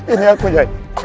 ini aku jai